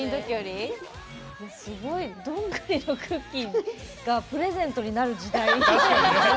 どんぐりのクッキーがプレゼントになる時代。